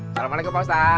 assalamualaikum pak ustaz